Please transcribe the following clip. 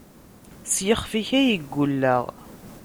S yixef-ik ay gulleɣ.